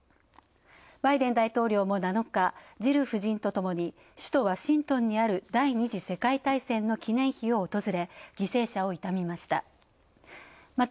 バイデン大統領も７日、ジル夫人とともに首都ワシントンにある第２次世界大戦の記念碑を訪れ犠牲者を悼みました。